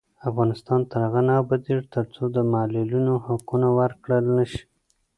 افغانستان تر هغو نه ابادیږي، ترڅو د معلولینو حقونه ورکړل نشي.